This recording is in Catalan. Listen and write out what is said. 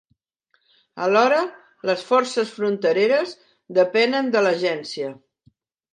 Alhora, les forces frontereres depenen de l'agència.